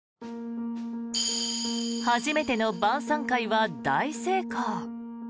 初めての晩さん会は大成功。